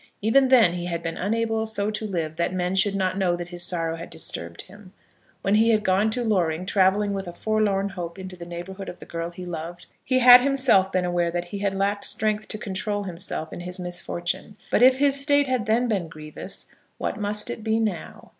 Even then he had been unable so to live that men should not know that his sorrow had disturbed him. When he had gone to Loring, travelling with a forlorn hope into the neighbourhood of the girl he loved, he had himself been aware that he had lacked strength to control himself in his misfortune. But if his state then had been grievous, what must it be now?